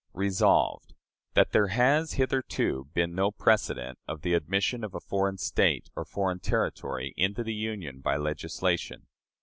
Resolved, That there has hitherto been no precedent of the admission of a foreign state or foreign territory into the Union by legislation.